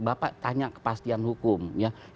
ini tadi bapak nyinggung oh ini kepastian hukum gimana